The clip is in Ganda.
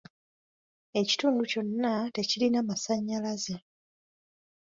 Ekitundu kyonna tekirina masanyalaze.